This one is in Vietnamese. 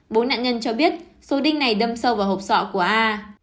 bố nạn nhân cho biết số đinh này đâm sâu vào hộp sọ của a